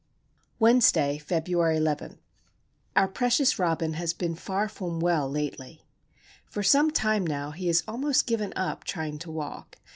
Wednesday, February 11. Our precious Robin has been far from well, lately. For some time now he has almost given up trying to walk.